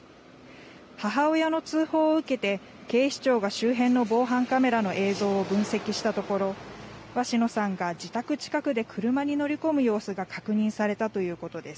母親の通報を受けて、警視庁が周辺の防犯カメラの映像を分析したところ、鷲野さんが自宅近くで車に乗り込む様子が確認されたということです。